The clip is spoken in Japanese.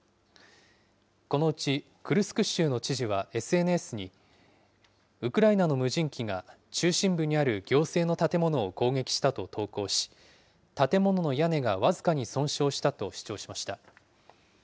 このうちクルスク州の知事はＳＮＳに、ウクライナの無人機が中心部にある行政の建物を攻撃したと投稿し、建物の屋根が僅かに損傷したと主張しました。